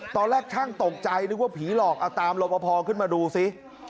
ตอนแรกช่างตกใจนึกว่าผีหลอกเอาตามรบพอขึ้นมาดูซิ